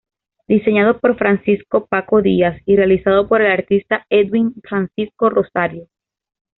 Diseñado por Francisco "Paco" Díaz y realizado por el artista Edwin Francisco Rosario.